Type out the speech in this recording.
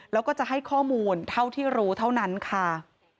แล้วก็จะให้ข้อมูลเท่าที่รู้เท่านั้นค่ะ